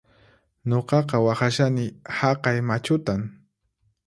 Nuqaqa waqhashani haqay machutan